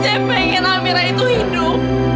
karena saya pengen amira itu hidup